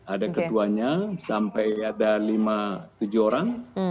ada ketuanya sampai ada lima tujuh orang